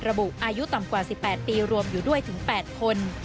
อายุต่ำกว่า๑๘ปีรวมอยู่ด้วยถึง๘คน